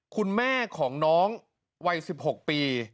คุณแม่ของน้องวัย๑๖ปี